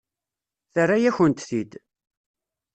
Terra-yakent-t-id.